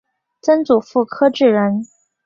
曾祖父柯志仁。